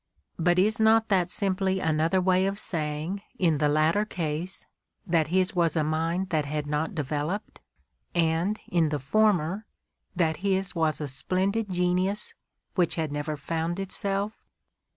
\ But is not that simply another way of saying, in the latter case, that his was* a mind that had not developed, and in the former, that; his was a splendid genius which had never found itself